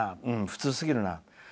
普通すぎるな。